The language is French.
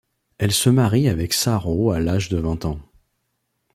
Elle se marie avec Saro à l'âge de vingt ans.